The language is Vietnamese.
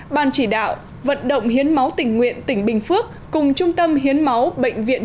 ban chỉ đạo vận động hiến máu tỉnh nguyện tỉnh bình phước cùng trung tâm hiến máu bệnh viện